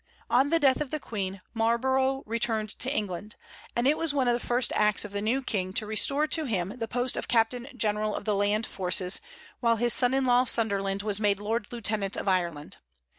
On the death of the Queen, Marlborough returned to England; and it was one of the first acts of the new king to restore to him the post of captain general of the land forces, while his son in law Sunderland was made lord lieutenant of Ireland.